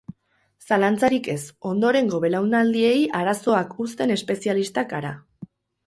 Zalantzarik ez, ondorengo belaunaldiei arazoak uzten espezialistak gara.